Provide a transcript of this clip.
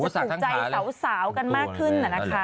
จะถูกใจสาวกันมากขึ้น